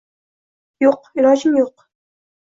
Yo'q, ilojim yo'q.